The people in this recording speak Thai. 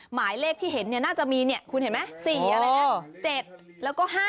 หมายเลขที่เห็นน่าจะมีคุณเห็นไหม๔อะไรนะ๗แล้วก็๕๗